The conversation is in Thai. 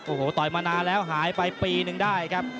โอ้โหต่อยมานานแล้วหายไปปีนึงได้ครับ